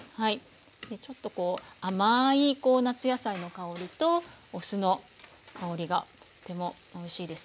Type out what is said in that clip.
ちょっとこう甘い夏野菜の香りとお酢の香りがとってもおいしいですよね。